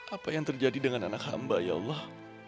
apa yang terjadi dengan anak hamba ya allah